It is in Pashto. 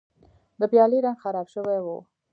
د پیالې رنګ خراب شوی و.